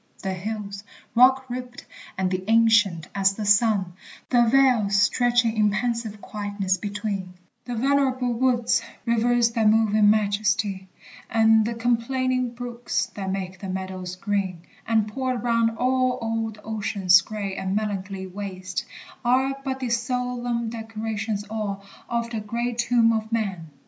The hills, Rock ribbed, and ancient as the sun; the vales Stretching in pensive quietness between; The venerable woods; rivers that move In majesty, and the complaining brooks, That make the meadows green; and, poured round all, Old ocean's gray and melancholy waste, Are but the solemn decorations all Of the great tomb of man!